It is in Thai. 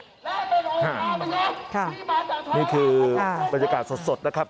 นี่คือบรรยากาศสดนะครับ